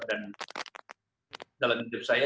dan dalam hidup saya